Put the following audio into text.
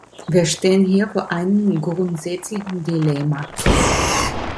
Wir stehen hier vor einem grundsätzlichen Dilemma.